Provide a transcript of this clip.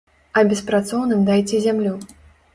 А беспрацоўным дайце зямлю.